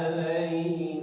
apa yang kita lakukan